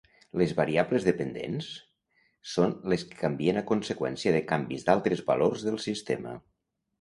Les variables dependents són les que canvien a conseqüència de canvis d'altres valors del sistema.